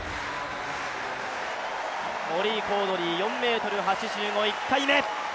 モリー・コードリー、４ｍ８５、１回目。